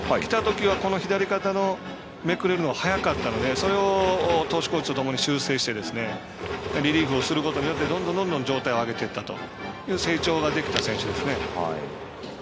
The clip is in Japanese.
この左肩のめくれるのが早かったのでそれを投手コーチとともに修正してリリーフをすることによってどんどん状態を上げることができるように成長ができた選手ですね。